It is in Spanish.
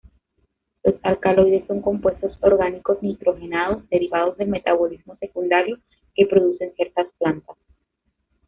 Los alcaloides son compuestos orgánicos nitrogenados, derivados del metabolismo secundario, que producen ciertas plantas.